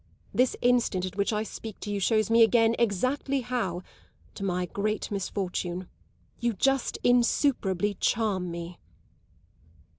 This instant at which I speak to you shows me again exactly how, to my great misfortune, you just insuperably charm me.